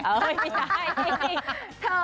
เธอก็